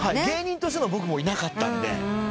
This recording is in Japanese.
芸人としての僕もいなかったんで。